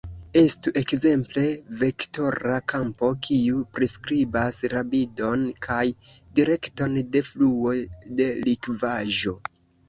Estu ekzemple vektora kampo kiu priskribas rapidon kaj direkton de fluo de likvaĵo.